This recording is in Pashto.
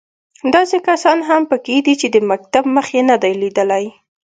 داسې کسان هم په کې دي چې د مکتب مخ یې نه دی لیدلی.